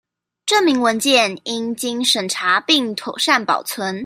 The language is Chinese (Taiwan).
證明文件應經審查並妥善保存